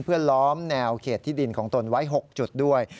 เพื่อล้อมแนวเขตที่ดินของตนไว้๖จุดด้วย